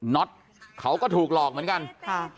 ็อตเขาก็ถูกหลอกเหมือนกันค่ะ